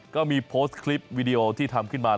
ก็มีโพสต์คลิปวิดีโอที่ทำขึ้นมา